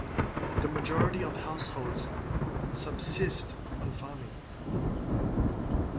The majority of households subsist on farming.